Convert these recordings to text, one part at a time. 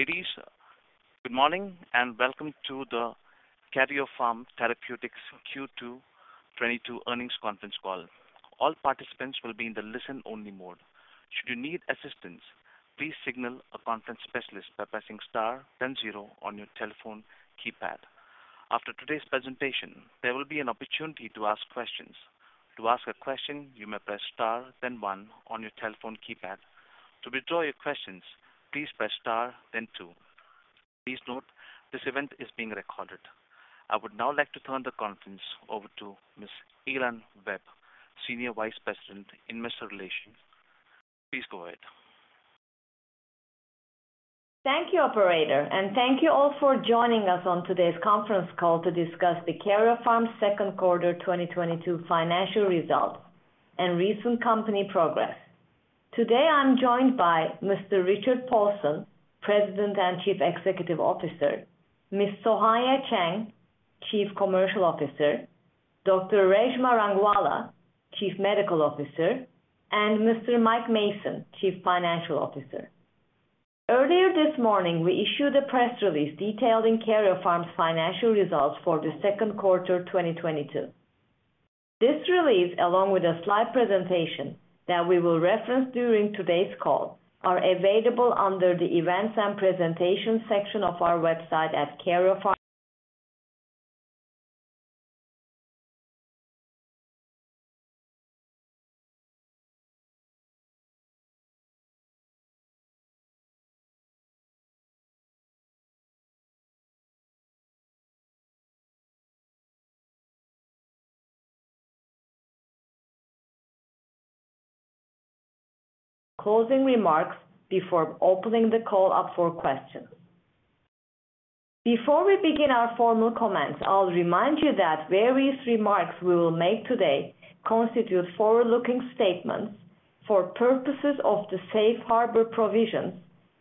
Ladies, good morning, and welcome to the Karyopharm Therapeutics Q2 2022 earnings conference call. All participants will be in the listen-only mode. Should you need assistance, please signal a conference specialist by pressing star then zero on your telephone keypad. After today's presentation, there will be an opportunity to ask questions. To ask a question, you may press star then one on your telephone keypad. To withdraw your questions, please press star then two. Please note this event is being recorded. I would now like to turn the conference over to Ms. Elhan Webb, Senior Vice President, Investor Relations. Please go ahead. Thank you, operator, and thank you all for joining us on today's conference call to discuss Karyopharm's second quarter 2022 financial results and recent company progress. Today I'm joined by Mr. Richard Paulson, President and Chief Executive Officer, Ms. Sohanya Cheng, Chief Commercial Officer, Dr. Reshma Rangwala, Chief Medical Officer, and Mr. Mike Mason, Chief Financial Officer. Earlier this morning, we issued a press release detailing Karyopharm's financial results for the second quarter 2022. This release, along with a slide presentation that we will reference during today's call, are available under the Events and Presentation section of our website at Karyopharm.com. Closing remarks before opening the call up for questions. Before we begin our formal comments, I'll remind you that various remarks we will make today constitute forward-looking statements for purposes of the safe harbor provisions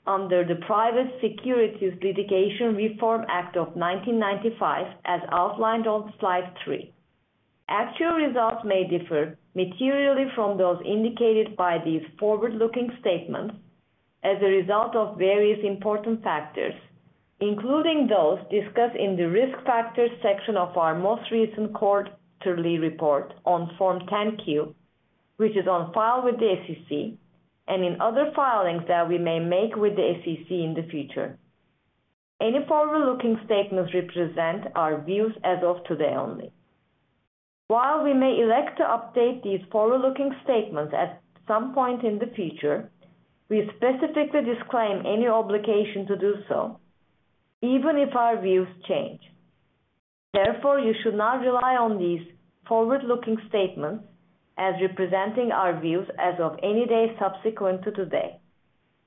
under the Private Securities Litigation Reform Act of 1995, as outlined on slide three. Actual results may differ materially from those indicated by these forward-looking statements as a result of various important factors, including those discussed in the Risk Factors section of our most recent quarterly report on Form 10-Q, which is on file with the SEC and in other filings that we may make with the SEC in the future. Any forward-looking statements represent our views as of today only. While we may elect to update these forward-looking statements at some point in the future, we specifically disclaim any obligation to do so even if our views change. Therefore, you should not rely on these forward-looking statements as representing our views as of any day subsequent to today.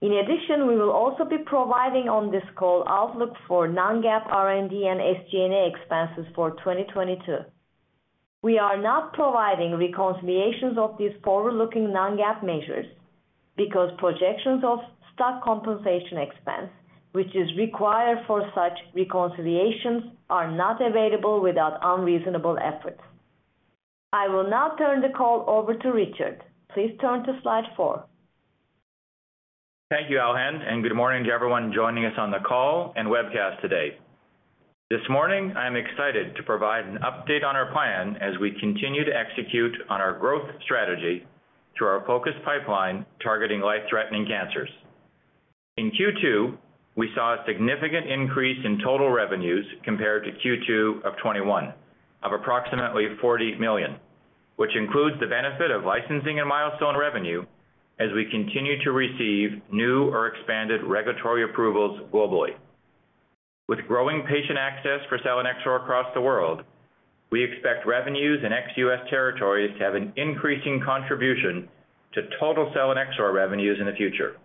In addition, we will also be providing on this call outlook for non-GAAP, R&D, and SG&A expenses for 2022. We are not providing reconciliations of these forward-looking non-GAAP measures because projections of stock compensation expense, which is required for such reconciliations, are not available without unreasonable efforts. I will now turn the call over to Richard. Please turn to slide four. Thank you, Elhan, and good morning to everyone joining us on the call and webcast today. This morning, I am excited to provide an update on our plan as we continue to execute on our growth strategy through our focused pipeline targeting life-threatening cancers. In Q2, we saw a significant increase in total revenues compared to Q2 of 2021 of approximately $40 million, which includes the benefit of licensing and milestone revenue as we continue to receive new or expanded regulatory approvals globally. With growing patient access for selinexor across the world, we expect revenues in ex-U.S. territories to have an increasing contribution to total selinexor revenues in the future.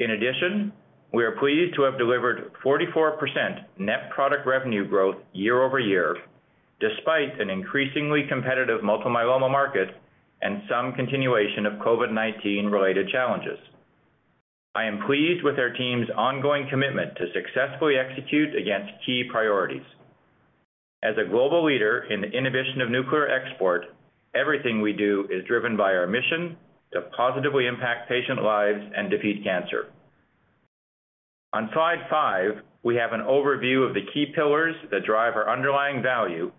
In addition, we are pleased to have delivered 44% net product revenue growth year-over-year despite an increasingly competitive multiple myeloma market and some continuation of COVID-19 related challenges. I am pleased with our team's ongoing commitment to successfully execute against key priorities. As a global leader in the inhibition of nuclear export, everything we do is driven by our mission to positively impact patient lives and defeat cancer. On slide five, we have an overview of the key pillars that drive our underlying value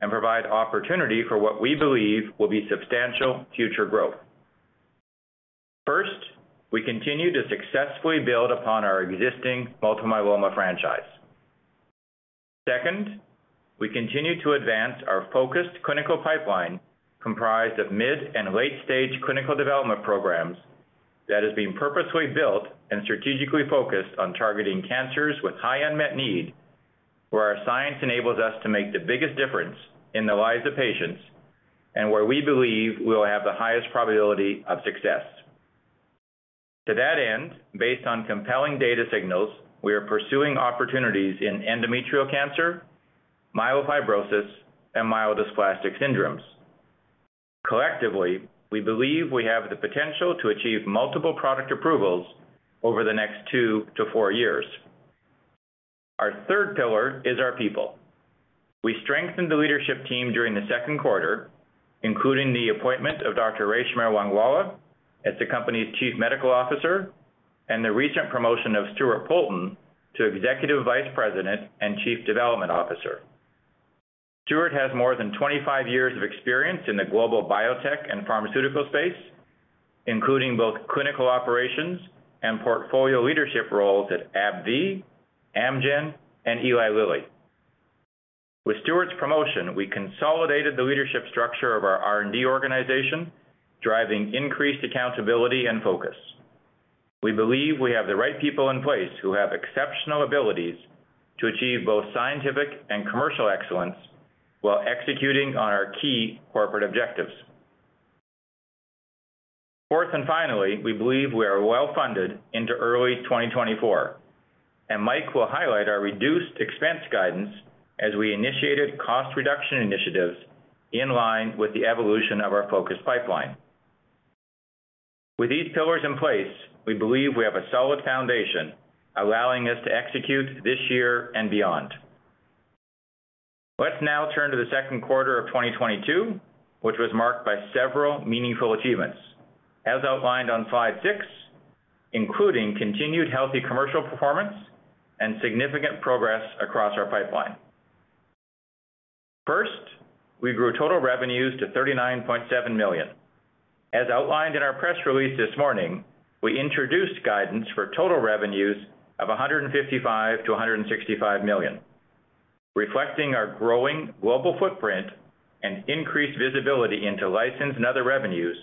and provide opportunity for what we believe will be substantial future growth. First, we continue to successfully build upon our existing multiple myeloma franchise. Second, we continue to advance our focused clinical pipeline comprised of mid- and late-stage clinical development programs that is being purposefully built and strategically focused on targeting cancers with high unmet need, where our science enables us to make the biggest difference in the lives of patients and where we believe we'll have the highest probability of success. To that end, based on compelling data signals, we are pursuing opportunities in endometrial cancer, myelofibrosis, and myelodysplastic syndromes. Collectively, we believe we have the potential to achieve multiple product approvals over the next two to four years. Our third pillar is our people. We strengthened the leadership team during the second quarter, including the appointment of Dr. Reshma Rangwala as the company's Chief Medical Officer, and the recent promotion of Stuart Poulton to Executive Vice President and Chief Development Officer. Stuart has more than 25 years of experience in the global biotech and pharmaceutical space, including both clinical operations and portfolio leadership roles at AbbVie, Amgen, and Eli Lilly. With Stuart's promotion, we consolidated the leadership structure of our R&D organization, driving increased accountability and focus. We believe we have the right people in place who have exceptional abilities to achieve both scientific and commercial excellence while executing on our key corporate objectives. Fourth and finally, we believe we are well funded into early 2024, and Mike will highlight our reduced expense guidance as we initiated cost reduction initiatives in line with the evolution of our focus pipeline. With these pillars in place, we believe we have a solid foundation allowing us to execute this year and beyond. Let's now turn to the second quarter of 2022, which was marked by several meaningful achievements, as outlined on slide six, including continued healthy commercial performance and significant progress across our pipeline. First, we grew total revenues to $39.7 million. As outlined in our press release this morning, we introduced guidance for total revenues of $155 million-$165 million, reflecting our growing global footprint and increased visibility into license and other revenues,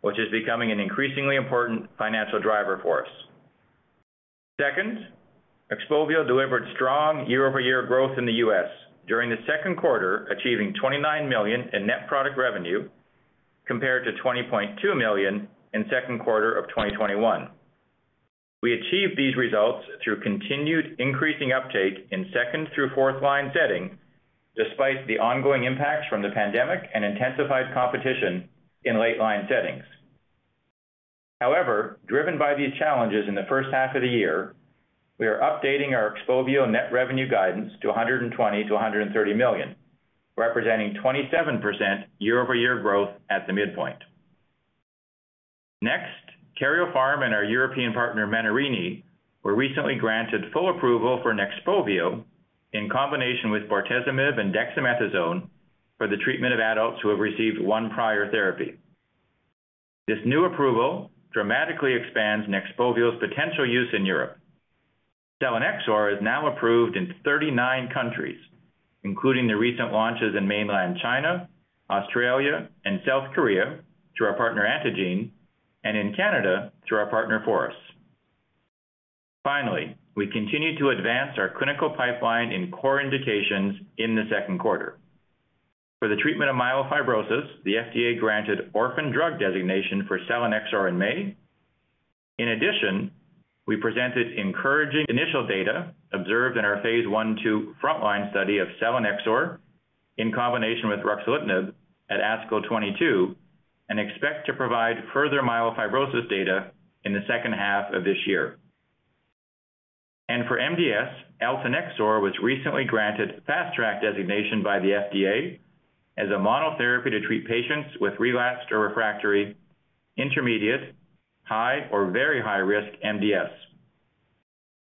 which is becoming an increasingly important financial driver for us. Second, XPOVIO delivered strong year-over-year growth in the U.S. during the second quarter, achieving $29 million in net product revenue compared to $20.2 million in second quarter of 2021. We achieved these results through continued increasing uptake in second through fourth line setting despite the ongoing impacts from the pandemic and intensified competition in late line settings. However, driven by these challenges in the first half of the year, we are updating our XPOVIO net revenue guidance to $120 million-$130 million, representing 27% year-over-year growth at the midpoint. Karyopharm and our European partner, Menarini, were recently granted full approval for NEXPOVIO in combination with bortezomib and dexamethasone for the treatment of adults who have received one prior therapy. This new approval dramatically expands NEXPOVIO's potential use in Europe. Selinexor is now approved in 39 countries, including the recent launches in mainland China, Australia, and South Korea through our partner Antengene, and in Canada through our partner Forus. We continued to advance our clinical pipeline in core indications in the second quarter. For the treatment of myelofibrosis, the FDA granted orphan drug designation for selinexor in May. In addition, we presented encouraging initial data observed in our phase I-II frontline study of selinexor in combination with ruxolitinib at ASCO 2022 and expect to provide further myelofibrosis data in the second half of this year. For MDS, eltanexor was recently granted Fast Track designation by the FDA as a monotherapy to treat patients with relapsed or refractory intermediate, high, or very high risk MDS.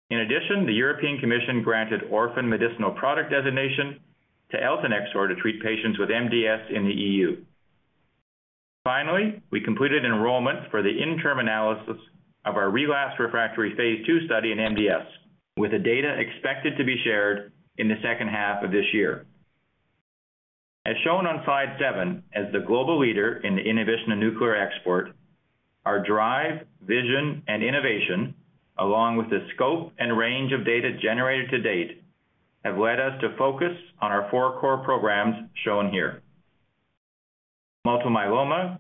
In addition, the European Commission granted orphan medicinal product designation to eltanexor to treat patients with MDS in the E.U. Finally, we completed enrollment for the interim analysis of our relapsed or refractory phase II study in MDS, with the data expected to be shared in the second half of this year. As shown on slide seven, as the global leader in the inhibition of nuclear export, our drive, vision, and innovation, along with the scope and range of data generated to date, have led us to focus on our four core programs shown here: multiple myeloma,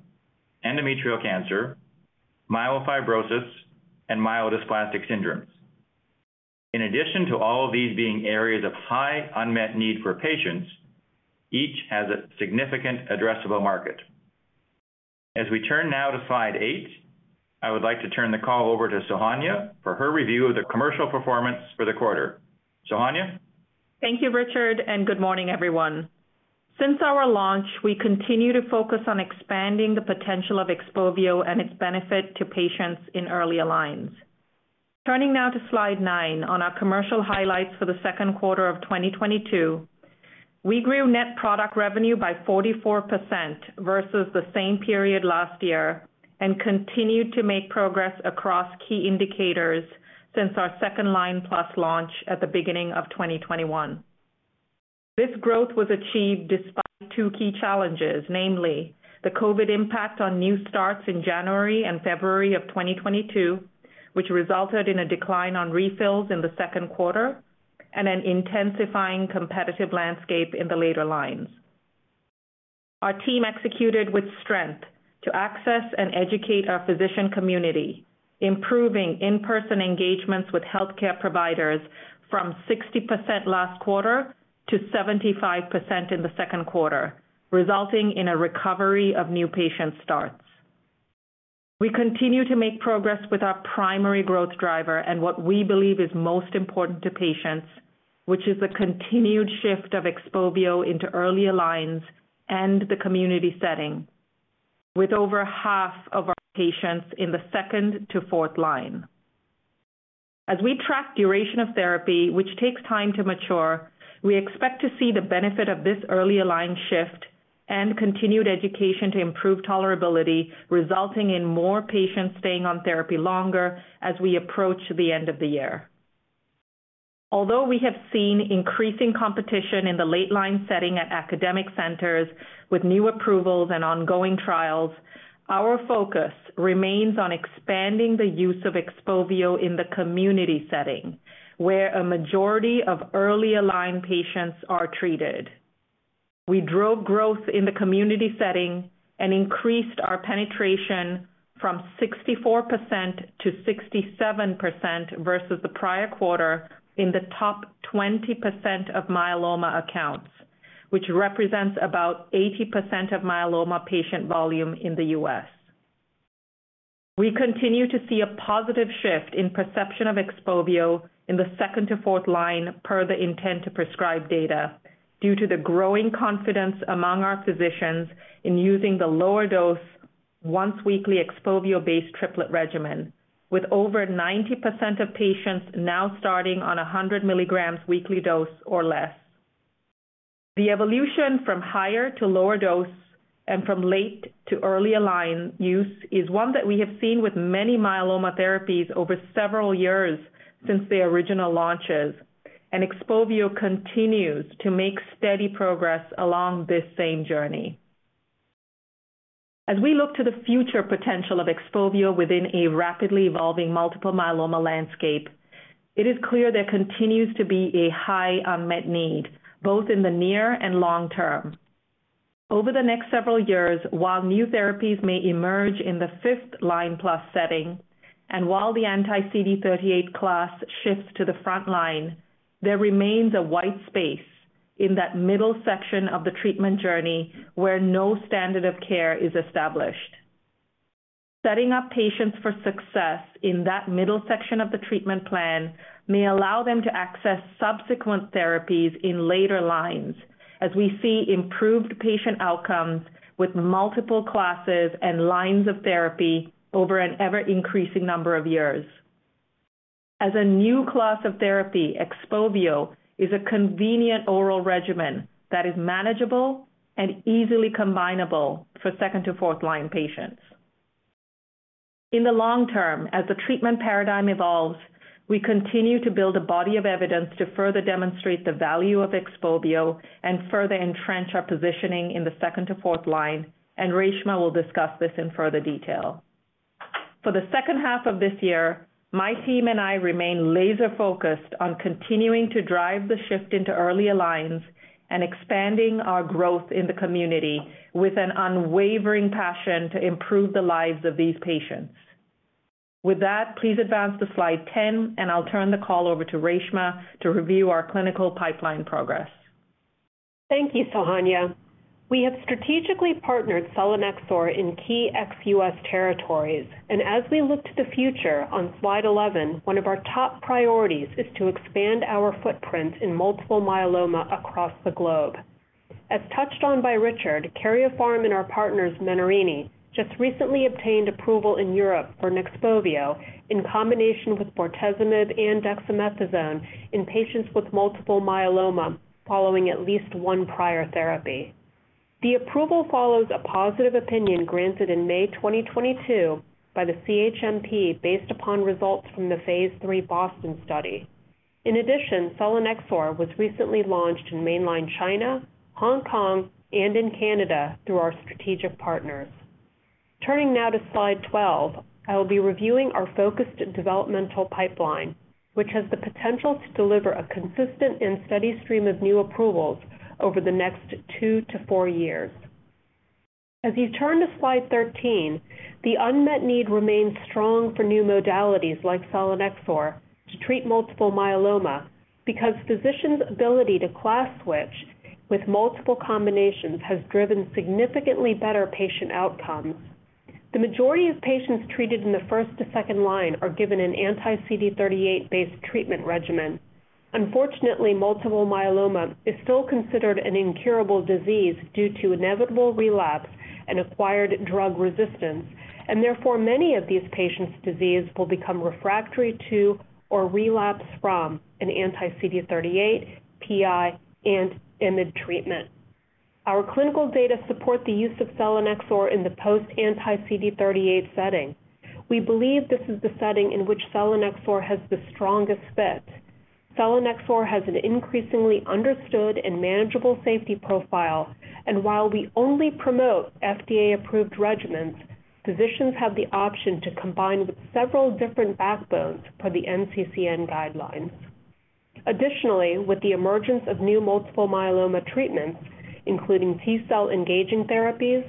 endometrial cancer, myelofibrosis, and myelodysplastic syndromes. In addition to all of these being areas of high unmet need for patients, each has a significant addressable market. As we turn now to slide eight, I would like to turn the call over to Sohanya for her review of the commercial performance for the quarter. Sohanya? Thank you, Richard, and good morning, everyone. Since our launch, we continue to focus on expanding the potential of XPOVIO and its benefit to patients in earlier lines. Turning now to slide nine on our commercial highlights for the second quarter of 2022, we grew net product revenue by 44% versus the same period last year and continued to make progress across key indicators since our second line plus launch at the beginning of 2021. This growth was achieved despite two key challenges, namely the COVID impact on new starts in January and February of 2022, which resulted in a decline in refills in the second quarter and an intensifying competitive landscape in the later lines. Our team executed with strength to access and educate our physician community, improving in-person engagements with healthcare providers from 60% last quarter to 75% in the second quarter, resulting in a recovery of new patient starts. We continue to make progress with our primary growth driver and what we believe is most important to patients, which is the continued shift of XPOVIO into earlier lines and the community setting, with over half of our patients in the second to fourth line. As we track duration of therapy, which takes time to mature, we expect to see the benefit of this earlier line shift and continued education to improve tolerability, resulting in more patients staying on therapy longer as we approach the end of the year. Although we have seen increasing competition in the late line setting at academic centers with new approvals and ongoing trials, our focus remains on expanding the use of XPOVIO in the community setting, where a majority of earlier line patients are treated. We drove growth in the community setting and increased our penetration from 64% to 67% versus the prior quarter in the top 20% of myeloma accounts, which represents about 80% of myeloma patient volume in the U.S. We continue to see a positive shift in perception of XPOVIO in the second to fourth line per the intent to prescribe data due to the growing confidence among our physicians in using the lower dose once weekly XPOVIO-based triplet regimen, with over 90% of patients now starting on a 100 mg weekly dose or less. The evolution from higher to lower dose and from late to earlier line use is one that we have seen with many myeloma therapies over several years since the original launches, and XPOVIO continues to make steady progress along this same journey. As we look to the future potential of XPOVIO within a rapidly evolving multiple myeloma landscape, it is clear there continues to be a high unmet need, both in the near and long term. Over the next several years, while new therapies may emerge in the fifth line plus setting, and while the anti-CD38 class shifts to the front line, there remains a wide space in that middle section of the treatment journey where no standard of care is established. Setting up patients for success in that middle section of the treatment plan may allow them to access subsequent therapies in later lines as we see improved patient outcomes with multiple classes and lines of therapy over an ever-increasing number of years. As a new class of therapy, XPOVIO is a convenient oral regimen that is manageable and easily combinable for second to fourth line patients. In the long term, as the treatment paradigm evolves, we continue to build a body of evidence to further demonstrate the value of XPOVIO and further entrench our positioning in the second to fourth line, and Reshma will discuss this in further detail. For the second half of this year, my team and I remain laser-focused on continuing to drive the shift into earlier lines and expanding our growth in the community with an unwavering passion to improve the lives of these patients. With that, please advance to slide 10, and I'll turn the call over to Reshma to review our clinical pipeline progress. Thank you, Sohanya. We have strategically partnered selinexor in key ex-U.S. territories. As we look to the future on slide 11, one of our top priorities is to expand our footprint in multiple myeloma across the globe. As touched on by Richard, Karyopharm and our partners, Menarini, just recently obtained approval in Europe for NEXPOVIO in combination with bortezomib and dexamethasone in patients with multiple myeloma following at least one prior therapy. The approval follows a positive opinion granted in May 2022 by the CHMP based upon results from the phase III BOSTON study. In addition, selinexor was recently launched in mainland China, Hong Kong, and in Canada through our strategic partners. Turning now to slide 12, I will be reviewing our focused developmental pipeline, which has the potential to deliver a consistent and steady stream of new approvals over the next two to four years. As you turn to slide 13, the unmet need remains strong for new modalities like selinexor to treat multiple myeloma because physicians' ability to class switch with multiple combinations has driven significantly better patient outcomes. The majority of patients treated in the first to second line are given an anti-CD38 based treatment regimen. Unfortunately, multiple myeloma is still considered an incurable disease due to inevitable relapse and acquired drug resistance, and therefore many of these patients' disease will become refractory to or relapse from an anti-CD38 PI and IMID treatment. Our clinical data support the use of selinexor in the post anti-CD38 setting. We believe this is the setting in which selinexor has the strongest fit. Selinexor has an increasingly understood and manageable safety profile. While we only promote FDA-approved regimens, physicians have the option to combine with several different backbones per the NCCN guidelines. Additionally, with the emergence of new multiple myeloma treatments, including T-cell engaging therapies,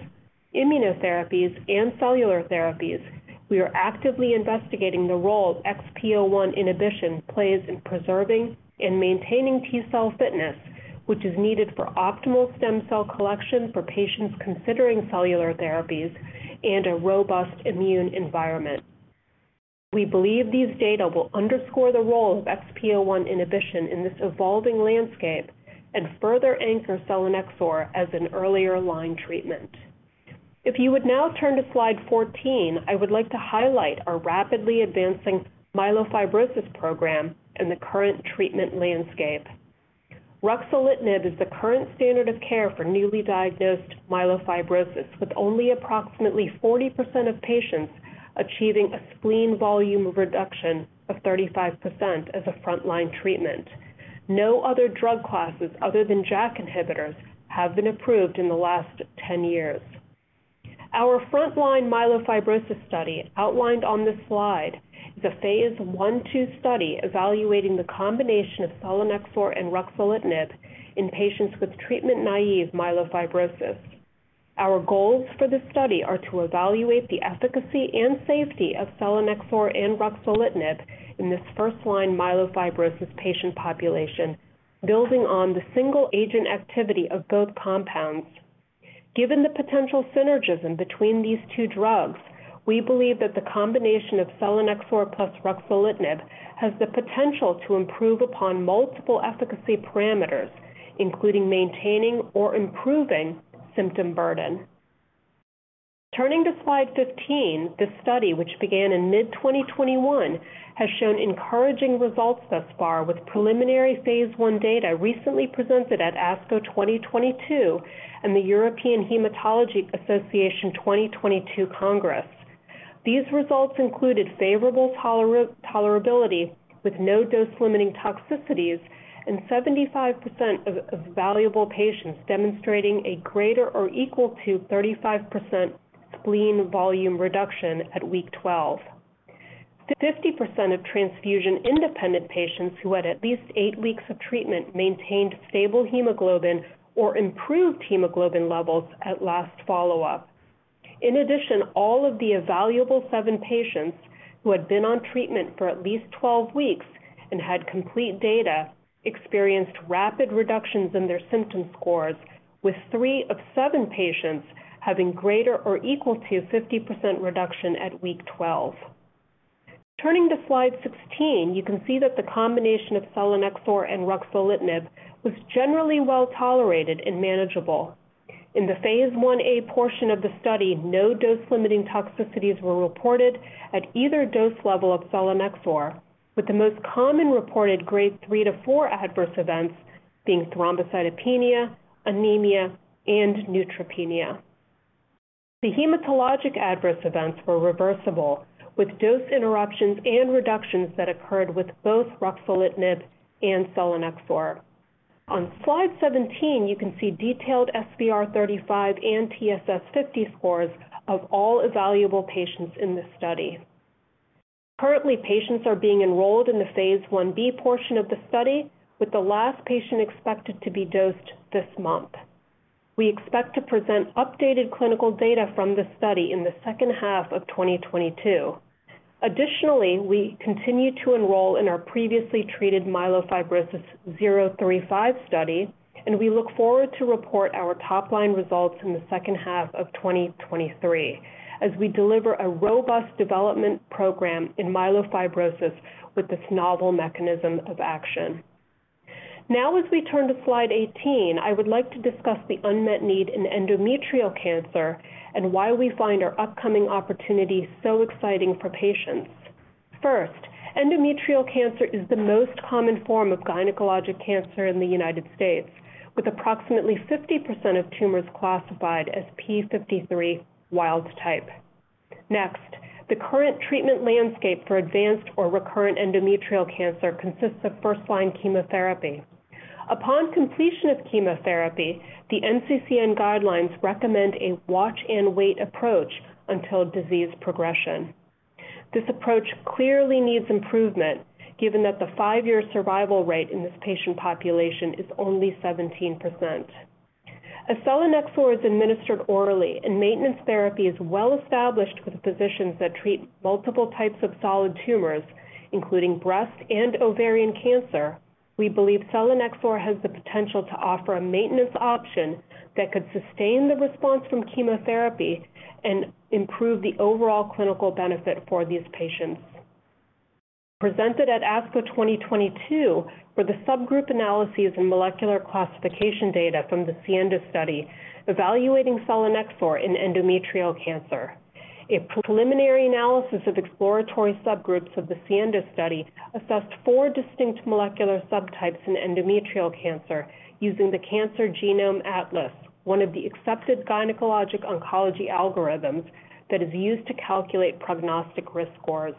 immunotherapies, and cellular therapies, we are actively investigating the role XPO1 inhibition plays in preserving and maintaining T-cell fitness, which is needed for optimal stem cell collection for patients considering cellular therapies and a robust immune environment. We believe these data will underscore the role of XPO1 inhibition in this evolving landscape and further anchor selinexor as an earlier line treatment. If you would now turn to slide 14, I would like to highlight our rapidly advancing myelofibrosis program and the current treatment landscape. Ruxolitinib is the current standard of care for newly diagnosed myelofibrosis, with only approximately 40% of patients achieving a spleen volume reduction of 35% as a first-line treatment. No other drug classes other than JAK inhibitors have been approved in the last 10 years. Our first-line myelofibrosis study outlined on this slide is a phase I-II study evaluating the combination of selinexor and ruxolitinib in patients with treatment-naive myelofibrosis. Our goals for this study are to evaluate the efficacy and safety of selinexor and ruxolitinib in this first-line myelofibrosis patient population, building on the single-agent activity of both compounds. Given the potential synergism between these two drugs, we believe that the combination of selinexor plus ruxolitinib has the potential to improve upon multiple efficacy parameters, including maintaining or improving symptom burden. Turning to slide 15, this study, which began in mid-2021, has shown encouraging results thus far, with preliminary phase I data recently presented at ASCO 2022 and the European Hematology Association 2022 Congress. These results included favorable tolerability, with no dose-limiting toxicities and 75% of evaluable patients demonstrating a greater or equal to 35% spleen volume reduction at week 12. 50% of transfusion-independent patients who had at least eight weeks of treatment maintained stable hemoglobin or improved hemoglobin levels at last follow-up. In addition, all of the evaluable seven patients who had been on treatment for at least 12 weeks and had complete data experienced rapid reductions in their symptom scores, with three of seven patients having greater or equal to 50% reduction at week 12. Turning to slide 16, you can see that the combination of selinexor and ruxolitinib was generally well-tolerated and manageable. In the phase I-A portion of the study, no dose-limiting toxicities were reported at either dose level of selinexor, with the most common reported grade three to four adverse events being thrombocytopenia, anemia, and neutropenia. The hematologic adverse events were reversible, with dose interruptions and reductions that occurred with both ruxolitinib and selinexor. On slide 17, you can see detailed SVR 35 and TSS 50 scores of all evaluable patients in this study. Currently, patients are being enrolled in the phase I-B portion of the study, with the last patient expected to be dosed this month. We expect to present updated clinical data from this study in the second half of 2022. Additionally, we continue to enroll in our previously treated myelofibrosis XPORT-MF-035 study, and we look forward to report our top-line results in the second half of 2023 as we deliver a robust development program in myelofibrosis with this novel mechanism of action. Now as we turn to slide 18, I would like to discuss the unmet need in endometrial cancer and why we find our upcoming opportunities so exciting for patients. First, endometrial cancer is the most common form of gynecologic cancer in the United States, with approximately 50% of tumors classified as p53 wild-type. Next, the current treatment landscape for advanced or recurrent endometrial cancer consists of first-line chemotherapy. Upon completion of chemotherapy, the NCCN guidelines recommend a watch-and-wait approach until disease progression. This approach clearly needs improvement, given that the five-year survival rate in this patient population is only 17%. As selinexor is administered orally and maintenance therapy is well established with physicians that treat multiple types of solid tumors, including breast and ovarian cancer, we believe selinexor has the potential to offer a maintenance option that could sustain the response from chemotherapy and improve the overall clinical benefit for these patients. Presented at ASCO 2022 were the subgroup analyses and molecular classification data from the SIENDO study evaluating selinexor in endometrial cancer. A preliminary analysis of exploratory subgroups of the SIENDO study assessed four distinct molecular subtypes in endometrial cancer using The Cancer Genome Atlas, one of the accepted gynecologic oncology algorithms that is used to calculate prognostic risk scores.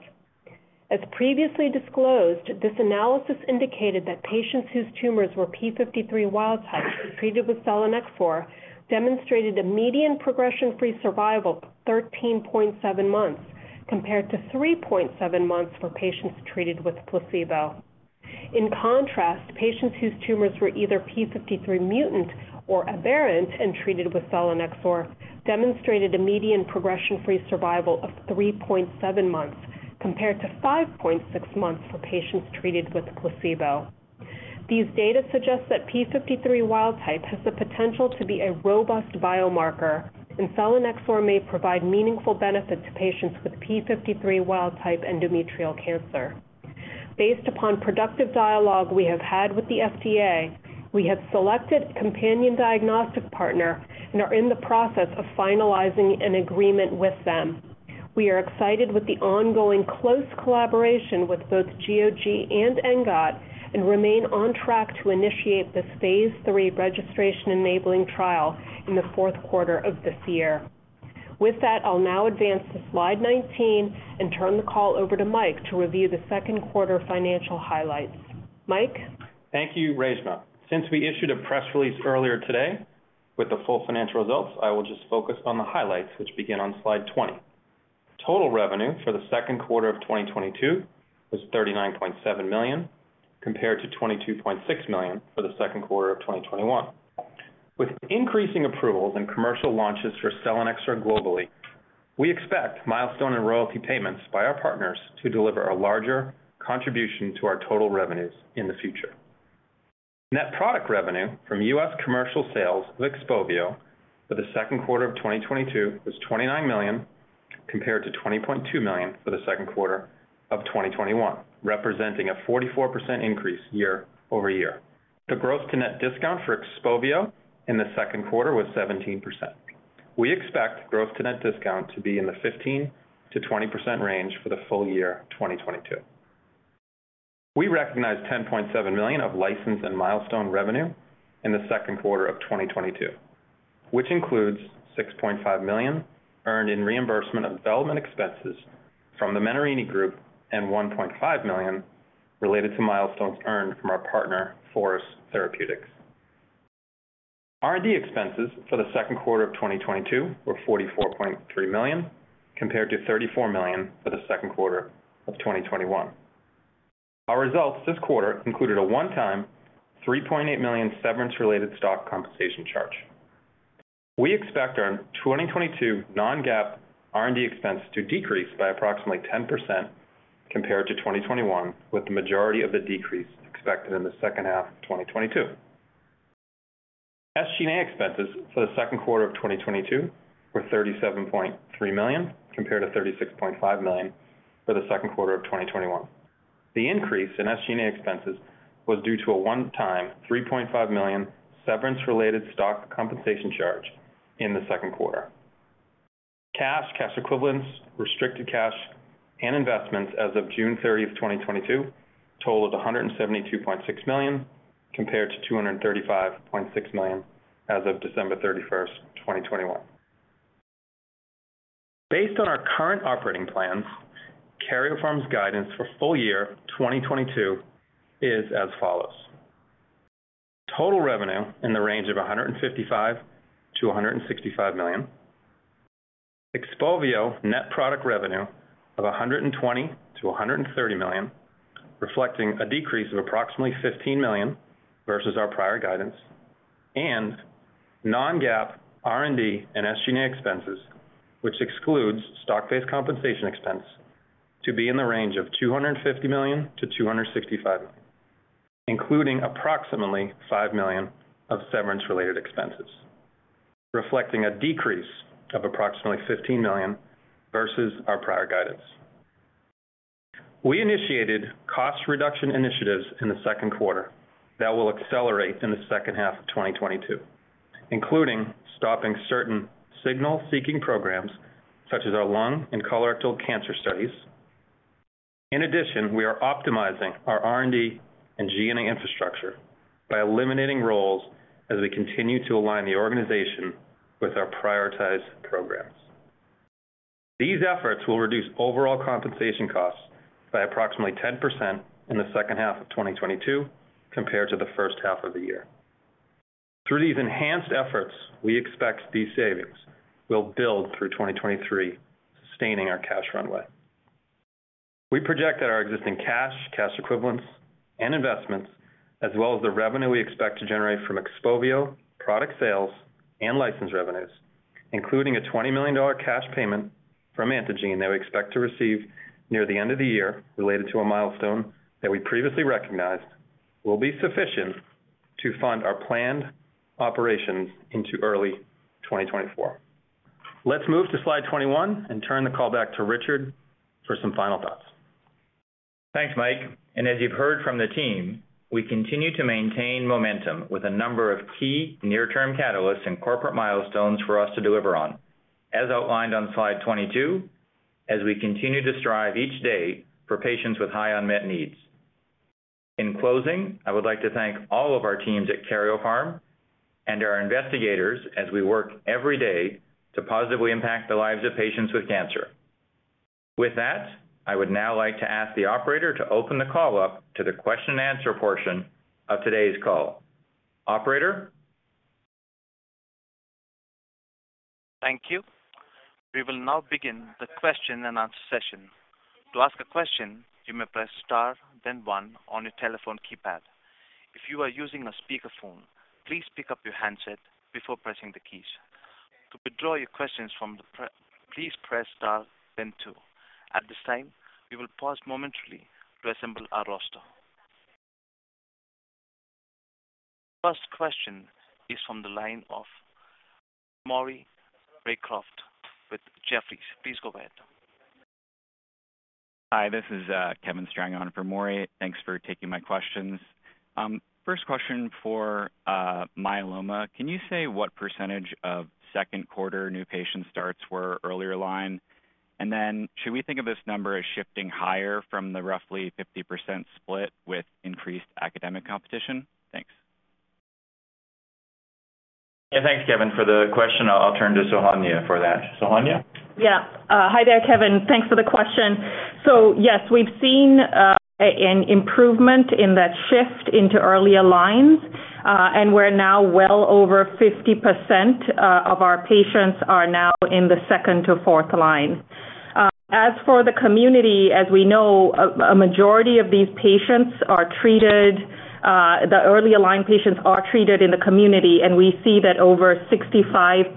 As previously disclosed, this analysis indicated that patients whose tumors were p53 wild-type treated with selinexor demonstrated a median progression-free survival of 13.7 months, compared to 3.7 months for patients treated with placebo. In contrast, patients whose tumors were either p53 mutant or aberrant and treated with selinexor demonstrated a median progression-free survival of 3.7 months, compared to 5.6 months for patients treated with placebo. These data suggests that p53 wild-type has the potential to be a robust biomarker, and selinexor may provide meaningful benefit to patients with p53 wild-type endometrial cancer. Based upon productive dialogue we have had with the FDA, we have selected companion diagnostic partner and are in the process of finalizing an agreement with them. We are excited with the ongoing close collaboration with both GOG and NRG Oncology, and remain on track to initiate this phase III registration enabling trial in the fourth quarter of this year. With that, I'll now advance to slide 19 and turn the call over to Mike to review the second quarter financial highlights. Mike. Thank you, Reshma. Since we issued a press release earlier today with the full financial results, I will just focus on the highlights, which begin on slide 20. Total revenue for the second quarter of 2022 was $39.7 million, compared to $22.6 million for the second quarter of 2021. With increasing approvals and commercial launches for selinexor globally, we expect milestone and royalty payments by our partners to deliver a larger contribution to our total revenues in the future. Net product revenue from U.S. commercial sales of XPOVIO for the second quarter of 2022 was $29 million, compared to $20.2 million for the second quarter of 2021, representing a 44% increase year-over-year. The gross to net discount for XPOVIO in the second quarter was 17%. We expect gross to net discount to be in the 15%-20% range for the full year 2022. We recognized $10.7 million of license and milestone revenue in the second quarter of 2022, which includes $6.5 million earned in reimbursement of development expenses from the Menarini Group and $1.5 million related to milestones earned from our partner, FORUS Therapeutics. R&D expenses for the second quarter of 2022 were $44.3 million, compared to $34 million for the second quarter of 2021. Our results this quarter included a one-time $3.8 million severance related stock compensation charge. We expect our 2022 non-GAAP R&D expense to decrease by approximately 10% compared to 2021, with the majority of the decrease expected in the second half of 2022. SG&A expenses for the second quarter of 2022 were $37.3 million, compared to $36.5 million for the second quarter of 2021. The increase in SG&A expenses was due to a one-time $3.5 million severance related stock compensation charge in the second quarter. Cash, cash equivalents, restricted cash, and investments as of June 30, 2022 totaled $172.6 million, compared to $235.6 million as of December 31st, 2021. Based on our current operating plans, Karyopharm's guidance for full year 2022 is as follows. Total revenue in the range of $155 million-$165 million. XPOVIO net product revenue of $120 million-$130 million, reflecting a decrease of approximately $15 million versus our prior guidance. non-GAAP R&D and SG&A expenses, which excludes stock-based compensation expense to be in the range of $250 million-$265 million, including approximately $5 million of severance related expenses, reflecting a decrease of approximately $15 million versus our prior guidance. We initiated cost reduction initiatives in the second quarter that will accelerate in the second half of 2022, including stopping certain signal seeking programs such as our lung and colorectal cancer studies. In addition, we are optimizing our R&D and G&A infrastructure by eliminating roles as we continue to align the organization with our prioritized programs. These efforts will reduce overall compensation costs by approximately 10% in the second half of 2022 compared to the first half of the year. Through these enhanced efforts, we expect these savings will build through 2023, sustaining our cash runway. We project that our existing cash equivalents, and investments, as well as the revenue we expect to generate from XPOVIO product sales and license revenues, including a $20 million cash payment from Antengene that we expect to receive near the end of the year related to a milestone that we previously recognized, will be sufficient to fund our planned operations into early 2024. Let's move to slide 21 and turn the call back to Richard for some final thoughts. Thanks, Mike. As you've heard from the team, we continue to maintain momentum with a number of key near-term catalysts and corporate milestones for us to deliver on, as outlined on slide 22, as we continue to strive each day for patients with high unmet needs. In closing, I would like to thank all of our teams at Karyopharm and our investigators as we work every day to positively impact the lives of patients with cancer. With that, I would now like to ask the operator to open the call up to the question and answer portion of today's call. Operator? Thank you. We will now begin the question and answer session. To ask a question, you may press star, then one on your telephone keypad. If you are using a speakerphone, please pick up your handset before pressing the keys. To withdraw your questions, please press star then two. At this time, we will pause momentarily to assemble our roster. First question is from the line of Maury Raycroft with Jefferies. Please go ahead. Hi, this is Kevin Strang on for Maury. Thanks for taking my questions. First question for myeloma. Can you say what percentage of second quarter new patient starts were earlier line? Then should we think of this number as shifting higher from the roughly 50% split with increased academic competition? Thanks. Yeah. Thanks, Kevin, for the question. I'll turn to Sohanya for that. Sohanya? Yeah. Hi there, Kevin. Thanks for the question. Yes, we've seen an improvement in that shift into earlier lines, and we're now well over 50% of our patients are now in the second to fourth line. As for the community, as we know, a majority of these patients are treated, the earlier line patients are treated in the community, and we see that over 65%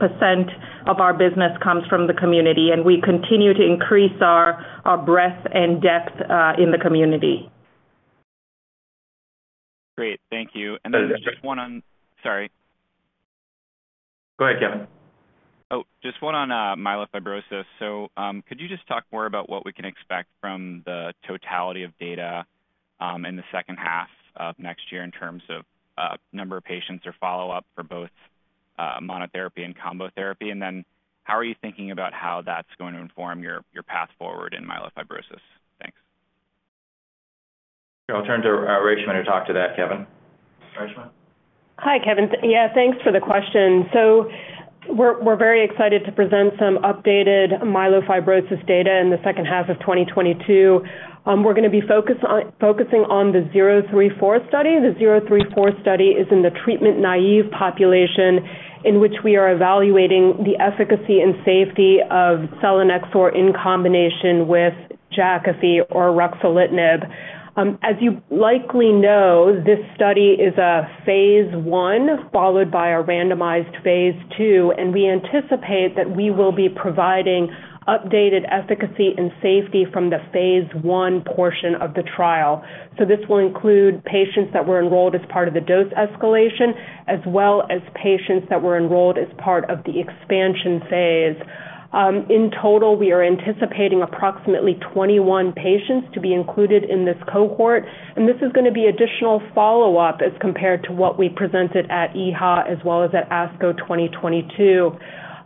of our business comes from the community, and we continue to increase our breadth and depth in the community. Great. Thank you. Just one on. Sorry. Go ahead, Kevin. Just one on myelofibrosis. Could you just talk more about what we can expect from the totality of data in the second half of next year in terms of number of patients or follow-up for both monotherapy and combo therapy? Then how are you thinking about how that's going to inform your path forward in myelofibrosis? Thanks. I'll turn to, Reshma to talk to that, Kevin. Reshma? Hi, Kevin. Yeah, thanks for the question. We're very excited to present some updated myelofibrosis data in the second half of 2022. We're focusing on the zero three four study. The zero three four study is in the treatment naive population in which we are evaluating the efficacy and safety of selinexor in combination with Jakafi or ruxolitinib. As you likely know, this study is a phase I followed by a randomized phase II, and we anticipate that we will be providing updated efficacy and safety from the phase one portion of the trial. This will include patients that were enrolled as part of the dose escalation, as well as patients that were enrolled as part of the expansion phase. In total, we are anticipating approximately 21 patients to be included in this cohort, and this is gonna be additional follow-up as compared to what we presented at EHA as well as at ASCO 2022.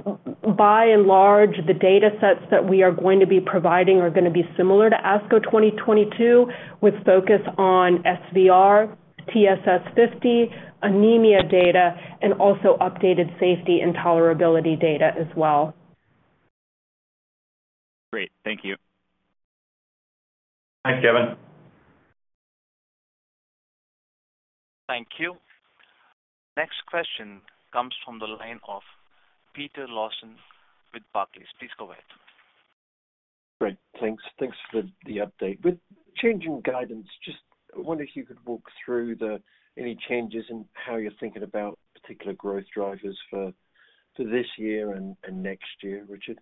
By and large, the datasets that we are going to be providing are gonna be similar to ASCO 2022, with focus on SVR, TSS50, anemia data, and also updated safety and tolerability data as well. Great. Thank you. Thanks, Kevin. Thank you. Next question comes from the line of Peter Lawson with Barclays. Please go ahead. Great. Thanks for the update. With changing guidance, just wonder if you could walk through any changes in how you're thinking about particular growth drivers for this year and next year, Richard?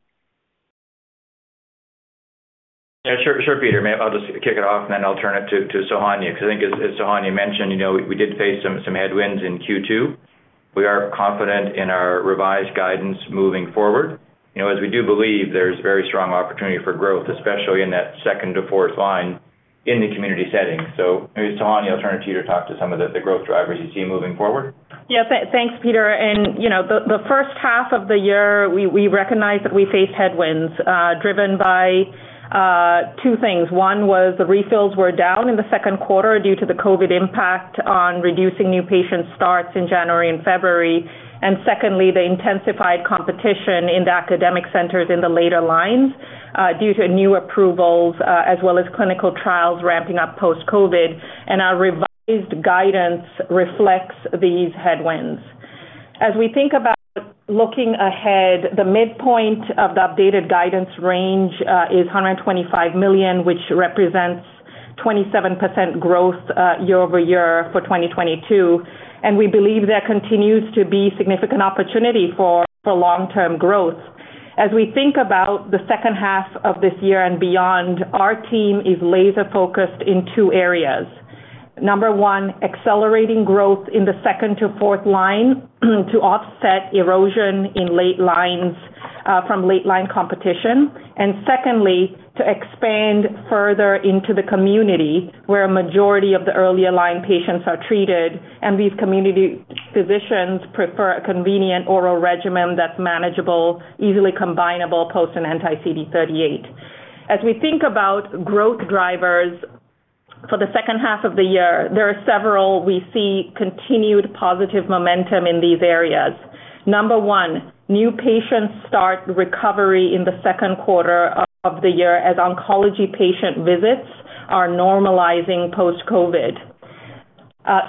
Yeah, sure. Sure, Peter. I'll just kick it off, and then I'll turn it to Sohanya 'cause I think as Sohanya mentioned, you know, we did face some headwinds in Q2. We are confident in our revised guidance moving forward. You know, as we do believe there's very strong opportunity for growth, especially in that second to fourth line in the community setting. Maybe, Sohanya, I'll turn it to you to talk to some of the growth drivers you see moving forward. Yeah. Thanks, Peter. You know, the first half of the year, we recognize that we face headwinds driven by two things. One was the refills were down in the second quarter due to the COVID impact on reducing new patient starts in January and February. Secondly, the intensified competition in the academic centers in the later lines due to new approvals as well as clinical trials ramping up post-COVID. Our revised guidance reflects these headwinds. As we think about looking ahead, the midpoint of the updated guidance range is $125 million, which represents 27% growth year over year for 2022, and we believe there continues to be significant opportunity for long-term growth. As we think about the second half of this year and beyond, our team is laser-focused in two areas. Number one, accelerating growth in the second to fourth line to offset erosion in late lines from late line competition. Secondly, to expand further into the community where a majority of the earlier line patients are treated, and these community physicians prefer a convenient oral regimen that's manageable, easily combinable post an anti-CD38. As we think about growth drivers for the second half of the year, there are several we see continued positive momentum in these areas. Number one, new patients start recovery in the second quarter of the year as oncology patient visits are normalizing post-COVID.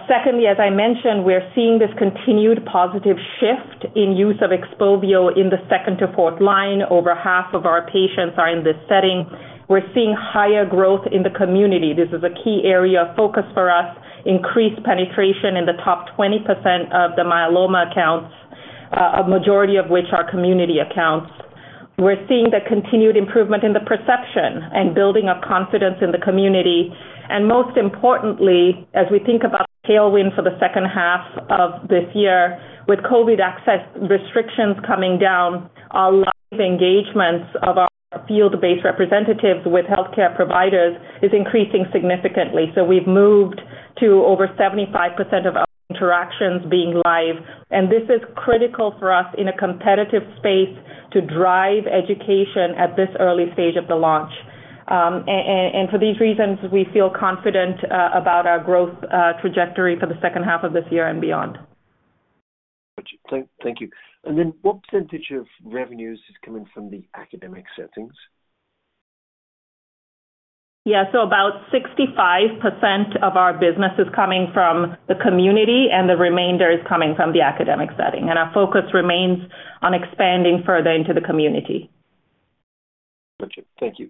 Secondly, as I mentioned, we're seeing this continued positive shift in use of XPOVIO in the second to fourth line. Over half of our patients are in this setting. We're seeing higher growth in the community. This is a key area of focus for us. Increased penetration in the top 20% of the myeloma accounts, a majority of which are community accounts. We're seeing the continued improvement in the perception and building of confidence in the community. Most importantly, as we think about tailwind for the second half of this year with COVID access restrictions coming down, our live engagements of our field-based representatives with healthcare providers is increasing significantly. We've moved to over 75% of our interactions being live, and this is critical for us in a competitive space to drive education at this early stage of the launch. For these reasons, we feel confident about our growth trajectory for the second half of this year and beyond. Thank you. What percentage of revenues is coming from the academic settings? Yeah. About 65% of our business is coming from the community, and the remainder is coming from the academic setting. Our focus remains on expanding further into the community. Got you. Thank you.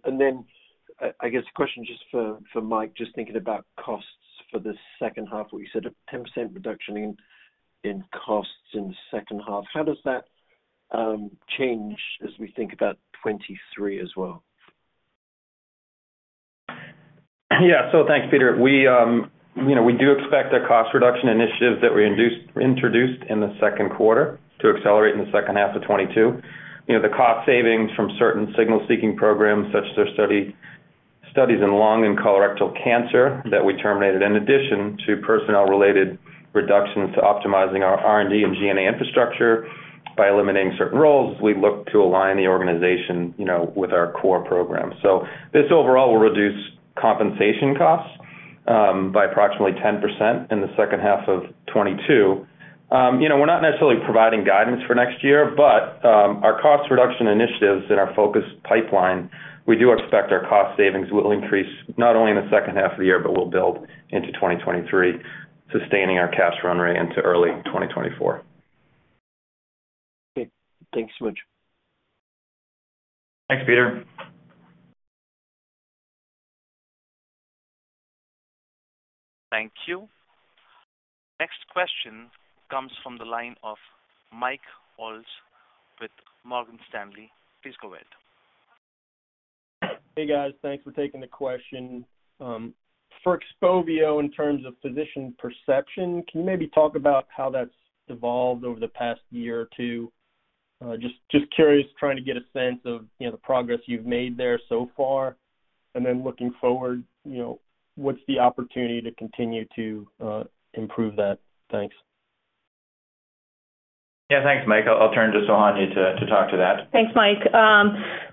I guess a question just for Mike, just thinking about costs for the second half. You said a 10% reduction in costs in the second half. How does that change as we think about 2023 as well? Thanks, Peter. We, you know, we do expect that cost reduction initiatives that we introduced in the second quarter to accelerate in the second half of 2022. You know, the cost savings from certain signal seeking programs such as the studies in lung and colorectal cancer that we terminated in addition to personnel-related reductions, optimizing our R&D and G&A infrastructure by eliminating certain roles, we look to align the organization, you know, with our core program. This overall will reduce compensation costs by approximately 10% in the second half of 2022. You know, we're not necessarily providing guidance for next year, but our cost reduction initiatives in our focus pipeline, we do expect our cost savings will increase not only in the second half of the year, but will build into 2023, sustaining our cash run rate into early 2024. Okay. Thanks so much. Thanks, Peter. Thank you. Next question comes from the line of Mike Ulz with Morgan Stanley. Please go ahead. Hey, guys. Thanks for taking the question. For XPOVIO in terms of physician perception, can you maybe talk about how that's evolved over the past year or two? Just curious, trying to get a sense of, you know, the progress you've made there so far. Looking forward, you know, what's the opportunity to continue to improve that? Thanks. Yeah, thanks, Mike. I'll turn to Sohanya to talk to that. Thanks, Mike.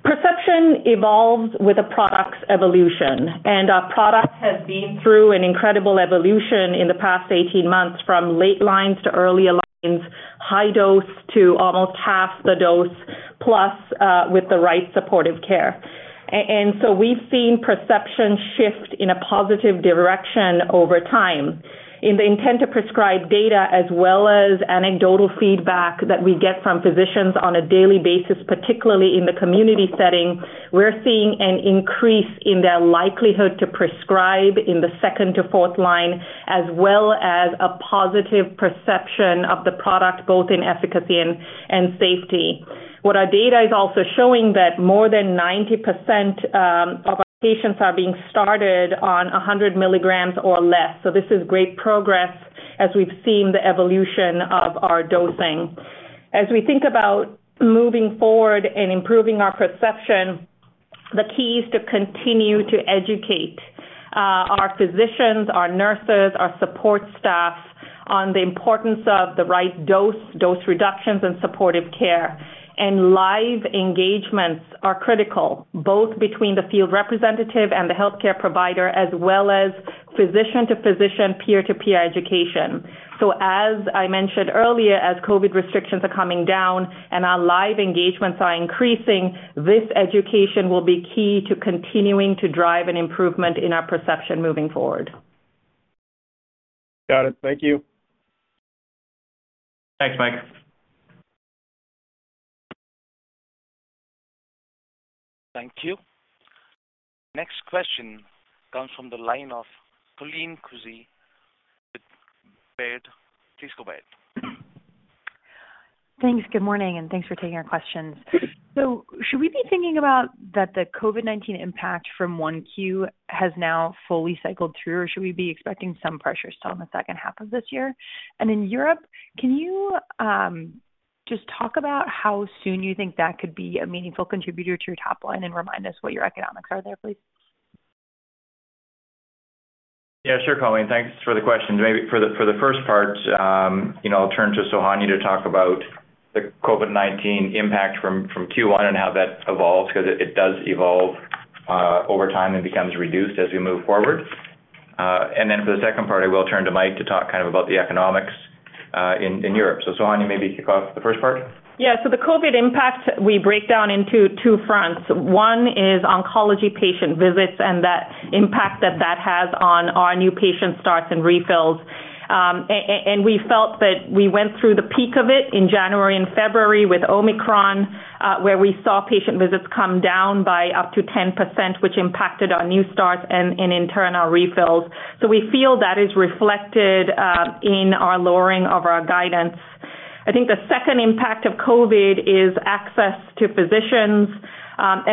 Perception evolves with a product's evolution, and our product has been through an incredible evolution in the past 18 months, from late lines to early lines, high dose to almost half the dose plus with the right supportive care. So we've seen perception shift in a positive direction over time. In the intent to prescribe data as well as anecdotal feedback that we get from physicians on a daily basis, particularly in the community setting, we're seeing an increase in their likelihood to prescribe in the second to fourth line, as well as a positive perception of the product both in efficacy and safety. What our data is also showing that more than 90% of our patients are being started on 100 mg or less. This is great progress as we've seen the evolution of our dosing. As we think about moving forward and improving our perception, the key is to continue to educate our physicians, our nurses, our support staff on the importance of the right dose reductions, and supportive care. Live engagements are critical, both between the field representative and the healthcare provider as well as physician to physician, peer to peer education. As I mentioned earlier, as COVID restrictions are coming down and our live engagements are increasing, this education will be key to continuing to drive an improvement in our perception moving forward. Got it. Thank you. Thanks, Mike. Thank you. Next question comes from the line of Colleen Kusy with Baird. Please go ahead. Thanks. Good morning, and thanks for taking our questions. Should we be thinking about that the COVID-19 impact from Q1 has now fully cycled through, or should we be expecting some pressures still in the second half of this year? In Europe, can you just talk about how soon you think that could be a meaningful contributor to your top line and remind us what your economics are there, please? Yeah, sure, Colleen. Thanks for the question. Maybe for the first part, you know, I'll turn to Sohanya to talk about the COVID-19 impact from Q1 and how that evolves because it does evolve over time and becomes reduced as we move forward. For the second part, I will turn to Mike to talk kind of about the economics in Europe. Sohanya, maybe kick off the first part. Yeah. The COVID impact we break down into two fronts. One is oncology patient visits and the impact that that has on our new patient starts and refills. And we felt that we went through the peak of it in January and February with Omicron, where we saw patient visits come down by up to 10%, which impacted our new starts and in turn our refills. We feel that is reflected in our lowering of our guidance. I think the second impact of COVID is access to physicians.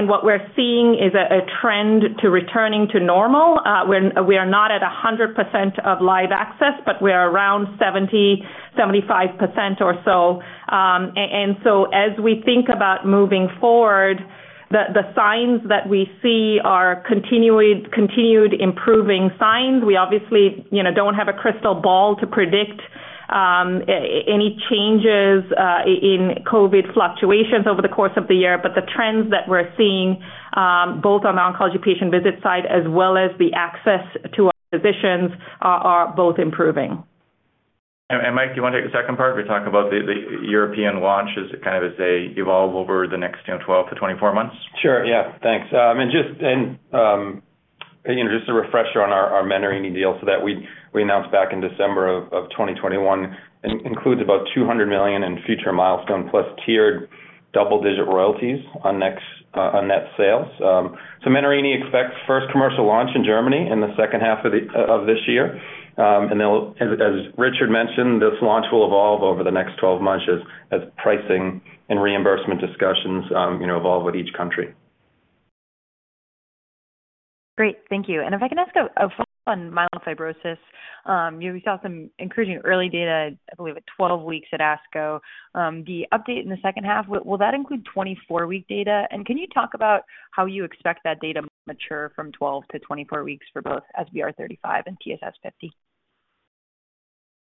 What we're seeing is a trend to returning to normal, when we are not at 100% of live access, but we are around 70%-75% or so. As we think about moving forward, the signs that we see are continued improving signs. We obviously, you know, don't have a crystal ball to predict any changes in COVID fluctuations over the course of the year. The trends that we're seeing, both on the oncology patient visit side as well as the access to our physicians are both improving. Mike, do you wanna take the second part? We talk about the European launch as kind of as they evolve over the next, you know, 12-24 months. Sure, yeah. Thanks. You know, just a refresher on our Menarini deal. That we announced back in December of 2021 includes about $200 million in future milestones plus tiered double-digit royalties on next, on net sales. Menarini expects first commercial launch in Germany in the second half of this year. They'll, as Richard mentioned, this launch will evolve over the next 12 months as pricing and reimbursement discussions, you know, evolve with each country. Great. Thank you. If I can ask a follow-up on myelofibrosis. We saw some encouraging early data, I believe at 12 weeks at ASCO. The update in the second half, will that include 24-week data? Can you talk about how you expect that data to mature from 12 to 24 weeks for both SVR 35 and TSS 50?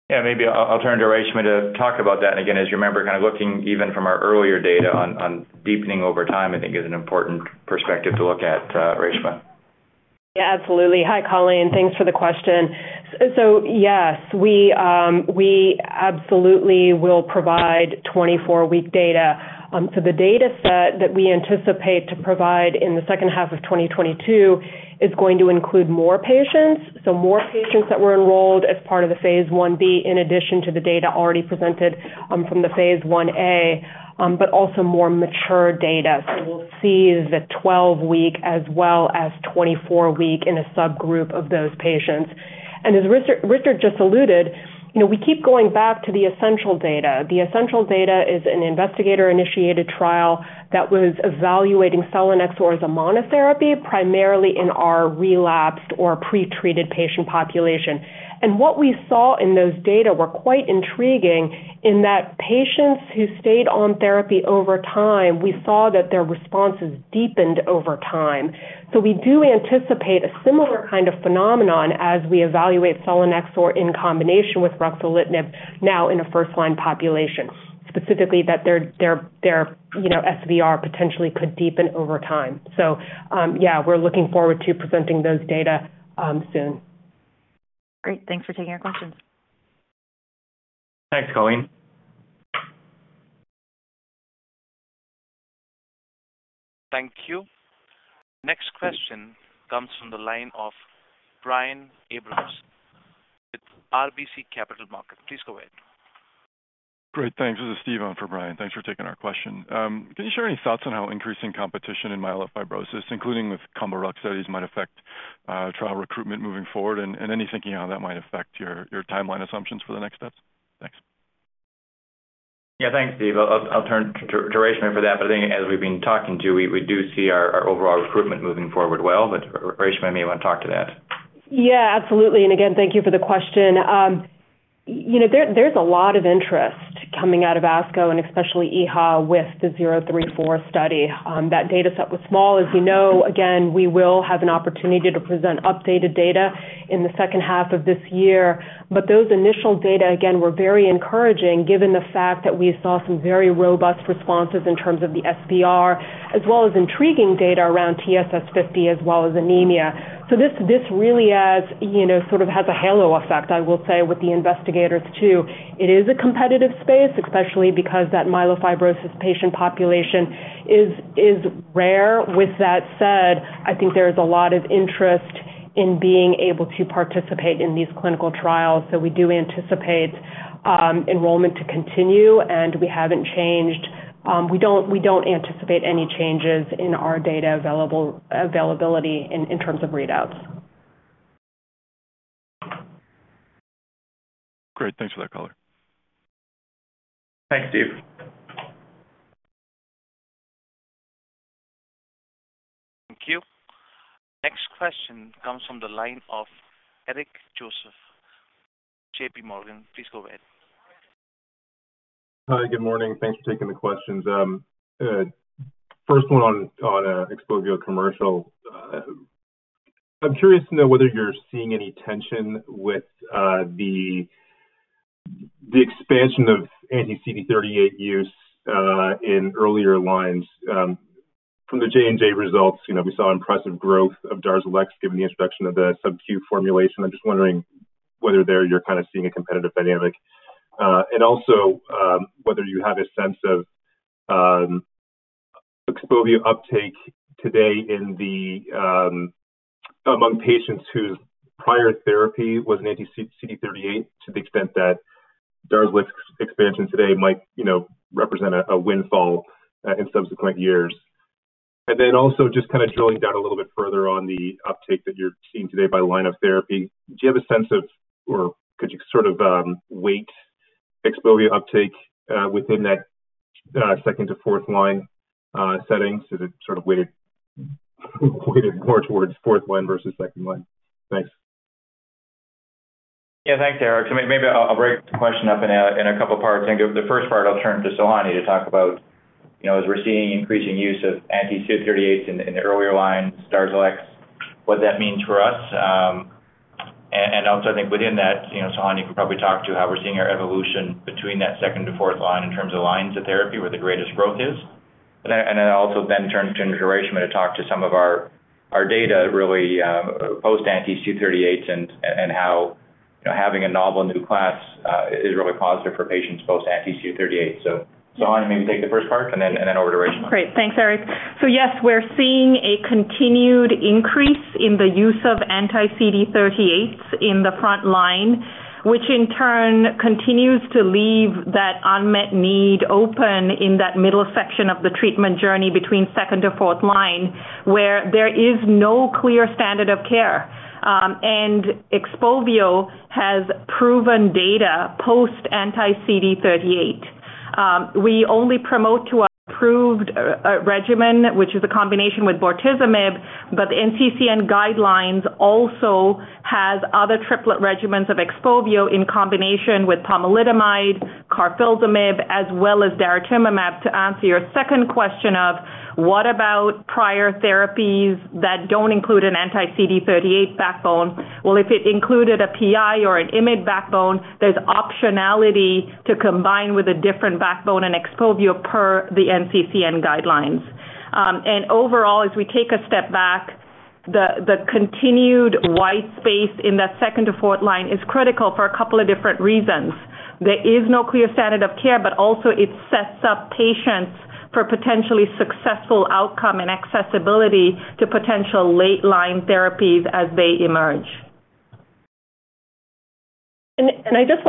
Yeah, maybe I'll turn to Reshma to talk about that. Again, as you remember, kind of looking even from our earlier data on deepening over time, I think is an important perspective to look at, Reshma. Yeah, absolutely. Hi, Colleen. Thanks for the question. Yes, we absolutely will provide 24-week data. The data set that we anticipate to provide in the second half of 2022 is going to include more patients, so more patients that were enrolled as part of the phase I-B in addition to the data already presented from the phase I-A, but also more mature data. We'll see the 12-week as well as 24-week in a subgroup of those patients. As Richard just alluded, you know, we keep going back to the essential data. The essential data is an investigator-initiated trial that was evaluating selinexor as a monotherapy, primarily in our relapsed or pretreated patient population. What we saw in those data were quite intriguing in that patients who stayed on therapy over time, we saw that their responses deepened over time. We do anticipate a similar kind of phenomenon as we evaluate selinexor in combination with ruxolitinib now in a first-line population, specifically that their, you know, SVR potentially could deepen over time. We're looking forward to presenting those data soon. Great. Thanks for taking our questions. Thanks, Colleen. Thank you. Next question comes from the line of Brian Abrahams with RBC Capital Markets. Please go ahead. Great, thanks. This is Steve on for Brian. Thanks for taking our question. Can you share any thoughts on how increasing competition in myelofibrosis, including with combo rux studies, might affect trial recruitment moving forward? And any thinking how that might affect your timeline assumptions for the next steps? Thanks. Yeah, thanks, Steve. I'll turn to Reshma for that, but I think as we've been talking to, we do see our overall recruitment moving forward well, but Reshma may want to talk to that. Yeah, absolutely. Again, thank you for the question. You know, there's a lot of interest coming out of ASCO and especially EHA with the XPORT-MF-034 study. That data set was small, as you know. Again, we will have an opportunity to present updated data in the second half of this year. Those initial data again were very encouraging given the fact that we saw some very robust responses in terms of the SVR, as well as intriguing data around TSS50 as well as anemia. This really has, you know, sort of a halo effect, I will say, with the investigators too. It is a competitive space, especially because that myelofibrosis patient population is rare. With that said, I think there is a lot of interest in being able to participate in these clinical trials. We do anticipate enrollment to continue, and we haven't changed. We don't anticipate any changes in our data availability in terms of readouts. Great. Thanks for that color. Thanks, Steve. Thank you. Next question comes from the line of Eric Joseph, J.P. Morgan. Please go ahead. Hi, good morning. Thanks for taking the questions. First one on XPOVIO commercial. I'm curious to know whether you're seeing any tension with the expansion of anti-CD38 use in earlier lines from the J&J results. You know, we saw impressive growth of Darzalex given the introduction of the sub-Q formulation. I'm just wondering whether you're kind of seeing a competitive dynamic. And also, whether you have a sense of XPOVIO uptake today among patients whose prior therapy was an anti-CD38 to the extent that Darzalex expansion today might, you know, represent a windfall in subsequent years. Also just kind of drilling down a little bit further on the uptake that you're seeing today by line of therapy. Do you have a sense of or could you sort of weigh XPOVIO uptake within that second- to fourth-line setting? It's sort of weighted more towards fourth line versus second line. Thanks. Yeah. Thanks, Eric. Maybe I'll break the question up in a couple parts. I think the first part I'll turn to Sohanya to talk about, you know, as we're seeing increasing use of anti-CD38s in the earlier lines, Darzalex, what that means for us. I think within that, you know, Sohanya, you can probably talk to how we're seeing our evolution between that second to fourth line in terms of lines of therapy, where the greatest growth is. Then I also turn to Reshma to talk to some of our data really, post-anti-CD38 and how, you know, having a novel new class is really positive for patients post anti-CD38. Sohanya, maybe take the first part and then over to Reshma. Great. Thanks, Eric. Yes, we're seeing a continued increase in the use of anti-CD38 in the front line, which in turn continues to leave that unmet need open in that middle section of the treatment journey between second to fourth line, where there is no clear standard of care. XPOVIO has proven data post anti-CD38. We only promote to approved regimen, which is a combination with bortezomib, but the NCCN guidelines also has other triplet regimens of XPOVIO in combination with pomalidomide, carfilzomib, as well as daratumumab. To answer your second question of what about prior therapies that don't include an anti-CD38 backbone? Well, if it included a PI or an IMID backbone, there's optionality to combine with a different backbone and XPOVIO per the NCCN guidelines. Overall, as we take a step back, the continued white space in that second to fourth line is critical for a couple of different reasons. There is no clear standard of care, but also it sets up patients for potentially successful outcome and accessibility to potential late line therapies as they emerge. I just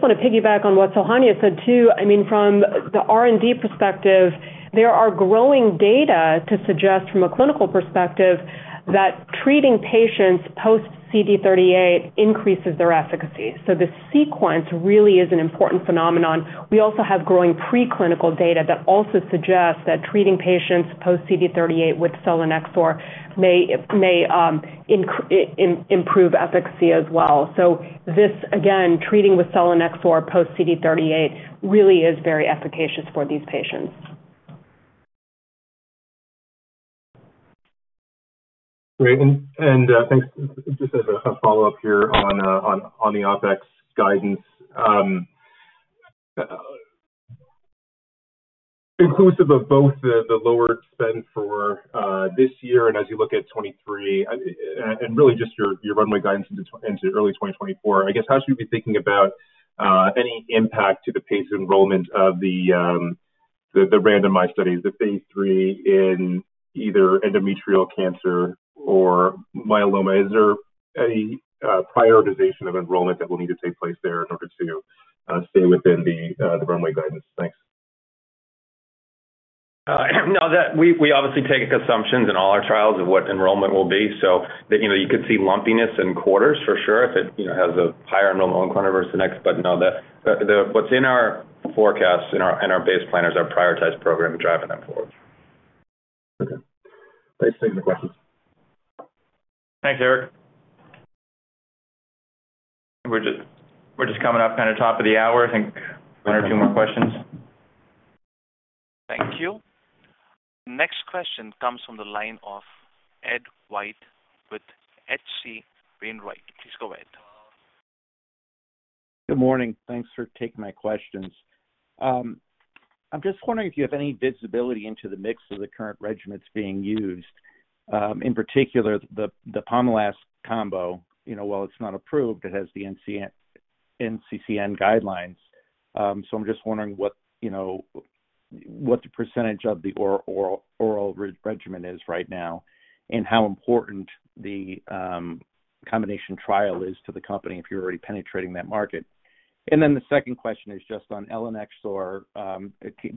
wanna piggyback on what Sohanya said too. I mean, from the R&D perspective, there are growing data to suggest from a clinical perspective that treating patients post CD38 increases their efficacy. The sequence really is an important phenomenon. We also have growing preclinical data that also suggests that treating patients post CD38 with selinexor may improve efficacy as well. This, again, treating with selinexor post CD38 really is very efficacious for these patients. Great. Thanks. Just as a follow-up here on the OpEx guidance. Inclusive of both the lower spend for this year and as you look at 2023, and really just your runway guidance into early 2024, I guess how should we be thinking about any impact to the pace of enrollment of the randomized studies, the phase III in either endometrial cancer or myeloma? Is there any prioritization of enrollment that will need to take place there in order to stay within the runway guidance? Thanks. No. We obviously take assumptions in all our trials of what enrollment will be so that you could see lumpiness in quarters for sure if it has a higher enrollment one quarter versus the next. No, what's in our forecast and our base plan is our prioritized program driving them forward. Okay. Thanks. Take the questions. Thanks, Eric. We're just coming up kind of top of the hour. I think one or two more questions. Thank you. Next question comes from the line of Ed White with H.C. Wainwright. Please go ahead. Good morning. Thanks for taking my questions. I'm just wondering if you have any visibility into the mix of the current regimens being used. In particular, the pomalidomide last combo. You know, while it's not approved, it has the NCCN guidelines. So I'm just wondering what, you know, what the percentage of the oral regimen is right now and how important the combination trial is to the company if you're already penetrating that market. The second question is just on eltanexor.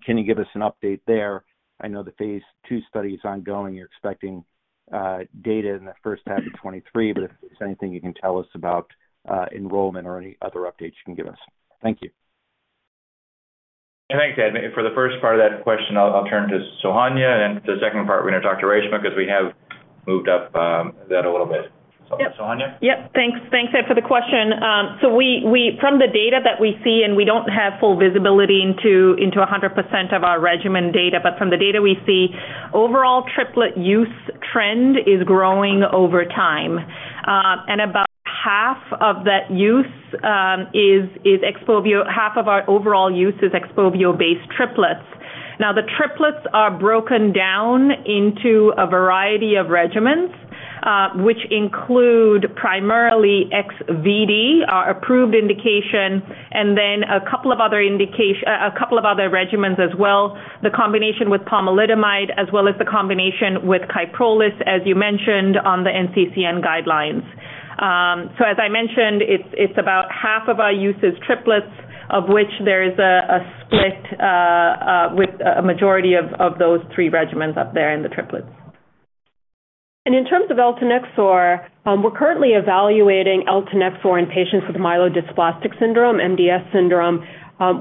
Can you give us an update there? I know the phase II study is ongoing. You're expecting data in the first half of 2023, but if there's anything you can tell us about enrollment or any other updates you can give us. Thank you. Thanks, Ed. For the first part of that question, I'll turn to Sohanya, and the second part we're gonna talk to Reshma, because we have moved up that a little bit. Sohanya? Yep. Thanks, Ed, for the question. From the data that we see, and we don't have full visibility into a hundred percent of our regimen data. But from the data we see, overall triplet use trend is growing over time. About half of that use is XPOVIO. Half of our overall use is XPOVIO-based triplets. Now, the triplets are broken down into a variety of regimens, which include primarily XVD, our approved indication, and then a couple of other regimens as well, the combination with pomalidomide as well as the combination with Kyprolis, as you mentioned, on the NCCN guidelines. As I mentioned, it's about half of our use is triplets, of which there is a split with a majority of those three regimens up there in the triplets. In terms of eltanexor, we're currently evaluating eltanexor in patients with myelodysplastic syndrome (MDS).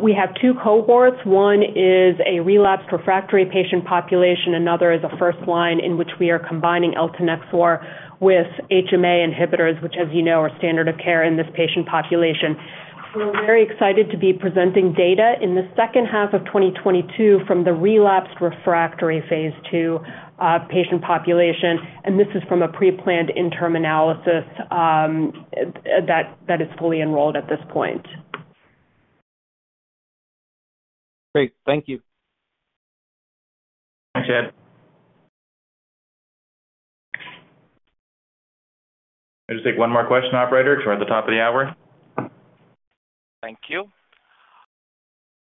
We have two cohorts. One is a relapsed refractory patient population, another is a first line in which we are combining eltanexor with HMA inhibitors, which, as you know, are standard of care in this patient population. We're very excited to be presenting data in the second half of 2022 from the relapsed refractory phase II patient population, and this is from a pre-planned interim analysis that is fully enrolled at this point. Great. Thank you. Thanks, Ed. We'll just take one more question, operator, toward the top of the hour. Thank you.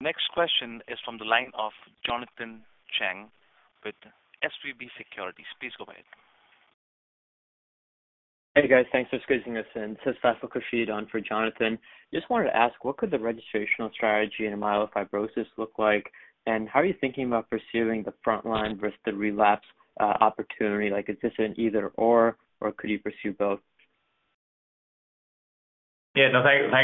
Next question is from the line of Jonathan Chang with SVB Securities. Please go ahead. Hey, guys. Thanks for squeezing us in. It's Jonathan. Just wanted to ask, what could the registrational strategy in myelofibrosis look like, and how are you thinking about pursuing the frontline versus the relapse opportunity? Like, is this an either/or could you pursue both? Thanks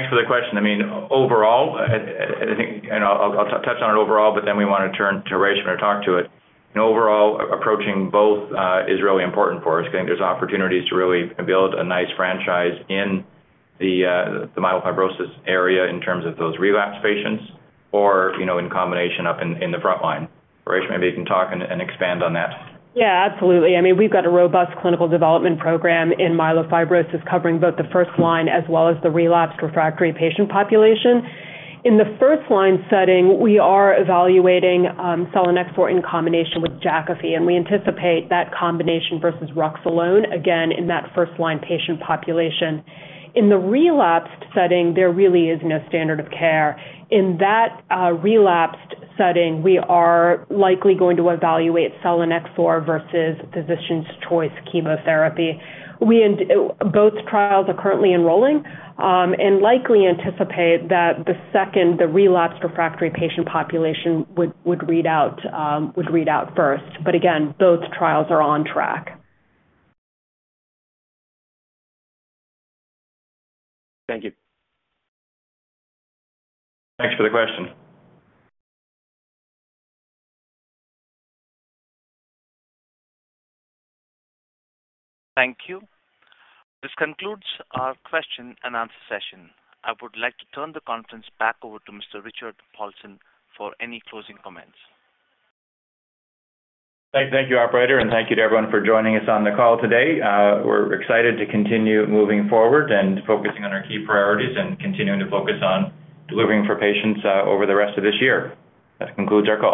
for the question. I mean, overall, I think, and I'll touch on it overall, but then we wanna turn to Reshma to talk to it. You know, overall, approaching both is really important for us 'cause I think there's opportunities to really build a nice franchise in the myelofibrosis area in terms of those relapsed patients or, you know, in combination up in the frontline. Reshma, maybe you can talk and expand on that. Yeah, absolutely. I mean, we've got a robust clinical development program in myelofibrosis covering both the first line as well as the relapsed refractory patient population. In the first line setting, we are evaluating selinexor in combination with Jakafi, and we anticipate that combination versus Rux alone, again, in that first line patient population. In the relapsed setting, there really is no standard of care. In that relapsed setting, we are likely going to evaluate selinexor versus physician's choice chemotherapy. Both trials are currently enrolling, and likely anticipate that the second, the relapsed refractory patient population would read out first. But again, both trials are on track. Thank you. Thanks for the question. Thank you. This concludes our question and answer session. I would like to turn the conference back over to Mr. Richard Paulson for any closing comments. Thank you, operator, and thank you to everyone for joining us on the call today. We're excited to continue moving forward and focusing on our key priorities and continuing to focus on delivering for patients over the rest of this year. That concludes our call.